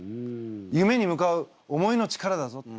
夢に向かう思いの力だぞって。